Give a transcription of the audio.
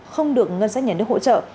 không được ngân sách nhà nước hỗ trợ